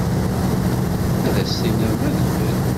Ad as-tiniḍ d adfel.